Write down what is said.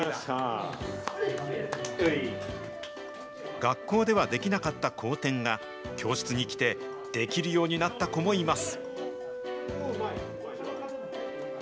学校ではできなかった後転が、教室に来てできるようになった子もいます。